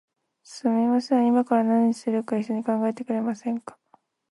すみません、いまから何するか一緒に考えてくれませんか？